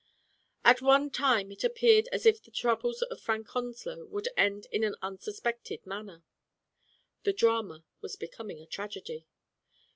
At one time it appeared as if the troubles of Frank Onslow would end in an unsuspected man ner. The drama was becoming a tragedy.